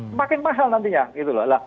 semakin mahal nantinya